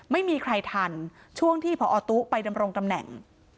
ไม่มีใครทันช่วงที่พอตุ๊กไปดำรงตำแหน่ง